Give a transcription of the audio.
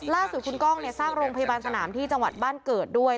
ล่าสุดคุณกล้องสร้างโรงพยาบาลสนามที่จังหวัดบ้านเกิดด้วย